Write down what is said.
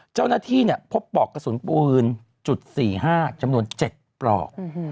เจ้าหน้าที่พบปลอกกระสุนปืนจุด๔๕จำนวน๗ปลอก